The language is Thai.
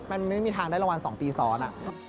มันไม่มีทางได้รางวัล๒ปีซ้อน